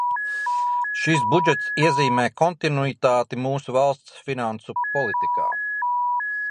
Šis budžets iezīmē kontinuitāti mūsu valsts finansu politikā.